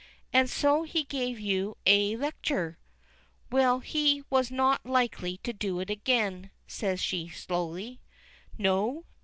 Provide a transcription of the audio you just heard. And so he gave you a lecture?" "Well, he is not likely to do it again," says she slowly. "No?